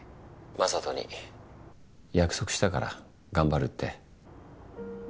眞人に約束したから頑張るって。